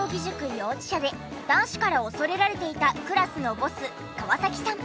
幼稚舎で男子から恐れられていたクラスのボス河崎さん。